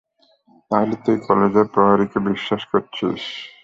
তাহলে, তুই কলেজের প্রহরীকে বিশ্বাস করছিস?